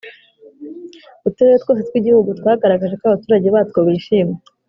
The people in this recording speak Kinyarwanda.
uturere twose tw igihugu twagaragaje ko abaturage batwo bishimye